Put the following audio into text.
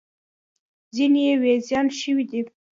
ځینې یې وزیران شوي دي.